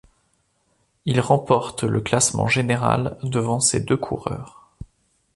Il remporte le classement général devant ces deux coureurs.